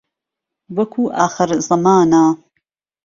وهکو ئاخر زهمانه